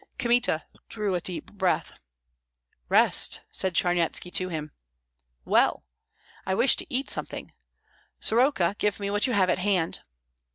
Kmita drew a deep breath. "Rest!" said Charnyetski to him. "Well! I wish to eat something. Soroka, give me what you have at hand."